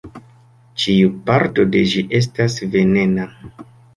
Ĉiu parto de ĝi estas venena.